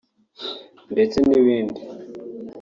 ndetse n’ibindi